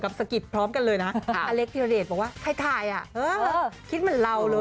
ใครถ่ายนะ